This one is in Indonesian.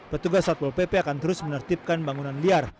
petugas satpol pp akan terus menertibkan bangunan liar